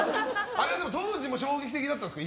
当時も衝撃的だったんですか？